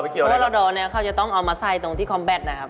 เพราะว่าลอร์ดอร์นี่เขาจะต้องเอามาใส่ตรงที่คอมแบตนะครับ